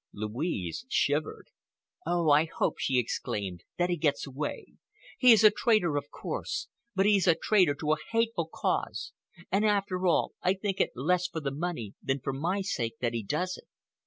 Louise shivered. "Oh, I hope," she exclaimed, "that he gets away! He is a traitor, of course, but he is a traitor to a hateful cause, and, after all, I think it is less for the money than for my sake that he does it.